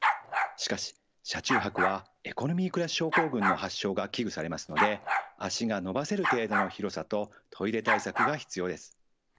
しかし車中泊はエコノミークラス症候群の発症が危惧されますので足が伸ばせる程度の広さとトイレ対策が必要です。